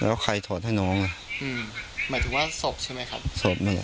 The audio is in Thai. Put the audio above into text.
แล้วใครถอดให้น้องอ่ะอืมหมายถึงว่าศพใช่ไหมครับศพหนึ่งอ่ะ